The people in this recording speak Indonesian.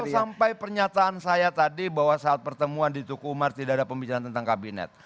sampai pernyataan saya tadi bahwa saat pertemuan di tukumar tidak ada pembicaraan tentang kabinet